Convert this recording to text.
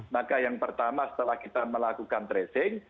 maka yang pertama setelah kita melakukan tracing